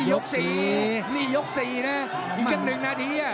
ยก๔เนี่ยอยู่กัน๑นาที